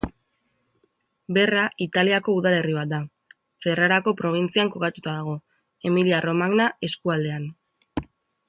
Berra Italiako udalerri bat da. Ferrarako probintzian kokatuta dago, Emilia-Romagna eskualdean.